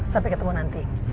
sampai ketemu nanti